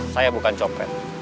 saya bukan copet